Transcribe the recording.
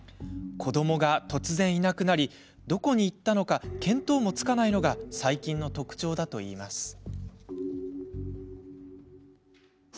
子どもが突然いなくなりどこに行ったか見当もつかないのが最近の特徴だといいます。